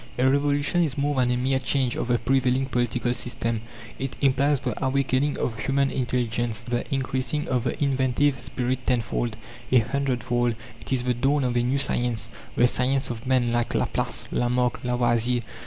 A revolution is more than a mere change of the prevailing political system. It implies the awakening of human intelligence, the increasing of the inventive spirit tenfold, a hundredfold; it is the dawn of a new science the science of men like Laplace, Lamarck, Lavoisier.